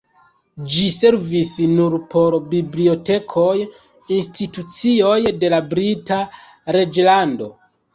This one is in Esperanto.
Ĝi servis nur por bibliotekoj, institucioj de la Brita Reĝlando.